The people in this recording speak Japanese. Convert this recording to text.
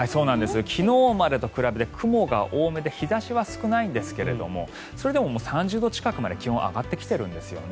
昨日までと比べて雲が多めで日差しは少ないんですがそれでも３０度近くまで、気温上がってきているんですよね。